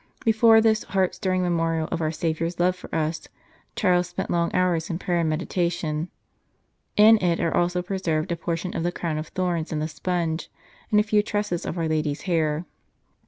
Before this heart stirring memorial of our Saviour s love for us, Charles spent long hours in prayer and meditation. In it are also preserved a portion of the Crown of Thorns and the Sponge, and a few tresses of our Lady s hair.